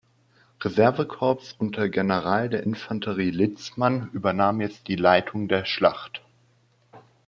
Reserve-Korps unter General der Infanterie Litzmann übernahm jetzt die Leitung der Schlacht.